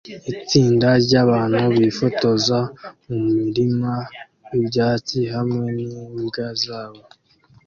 Itsinda ryabantu bifotoza mumurima wibyatsi hamwe nimbwa zabo